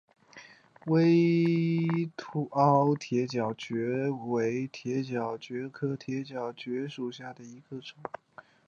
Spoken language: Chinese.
微凹铁角蕨为铁角蕨科铁角蕨属下的一个种。